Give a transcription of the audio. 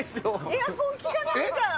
エアコン効かないじゃん。